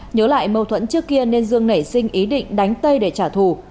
nhớ lại mâu thuẫn trước kia nên dương nảy sinh ý định đánh tây để trả thù